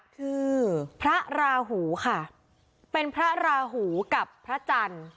คือพระราหูค่ะเป็นพระราหูกับพระจันทร์